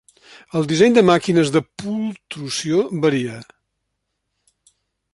El disseny de màquines de pultrusió varia.